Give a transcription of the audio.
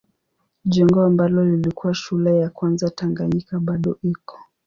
Jengo ambalo lilikuwa shule ya kwanza Tanganyika bado iko.